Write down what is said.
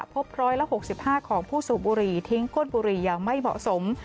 พบ๑๖๕ของผู้สูบบุหรี่ทิ้งก้นบุหรี่อย่างไม่เหมาะสม